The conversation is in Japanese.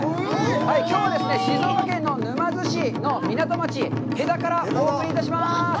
きょうはですね、静岡県の沼津市の港町・戸田からお届けします。